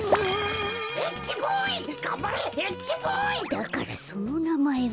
だからそのなまえは。